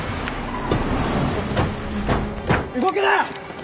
動くな！